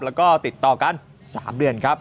แล้วก็ติดต่อกัน๓เดือนครับ